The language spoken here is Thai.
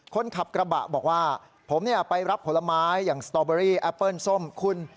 คนขับกระบะบอกว่าผมไปรับผลไม้อย่างสตอเบอรี่แอปเปิ้ลส้มคุณ